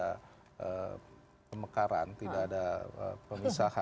ada pemekaran tidak ada pemisahan